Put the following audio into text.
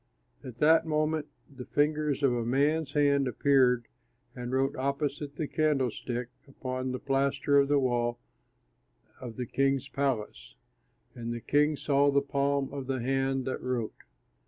At that moment the fingers of a man's hand appeared and wrote opposite the candlestick upon the plaster of the wall of the king's palace; and the king saw the palm of the hand that wrote.